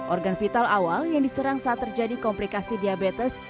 organ vital awal yang diserang saat terjadi komplikasi diabetes